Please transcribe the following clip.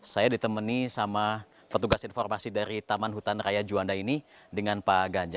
saya ditemeni sama petugas informasi dari taman hutan raya juanda ini dengan pak ganja